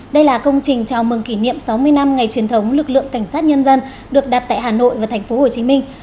đây là công trình chào mừng kỷ niệm sáu mươi năm ngày truyền thống lực lượng cảnh sát nhân dân được đặt tại hà nội và thành phố hồ chí minh